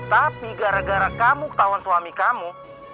tapi gara gara kamu ketahuan suami kamu